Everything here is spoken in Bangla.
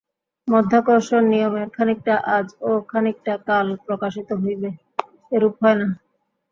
মাধ্যাকর্ষণ-নিয়মের খানিকটা আজ ও খানিকটা কাল প্রকাশিত হইবে, এরূপ হয় না।